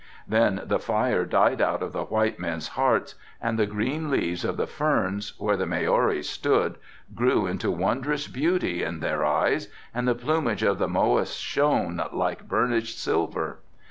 Then the fire died out of the white men's hearts and the green leaves of the ferns, where the Maoris stood grew into wondrous beauty in their eyes and the plumage of the moa shone like burnished silver.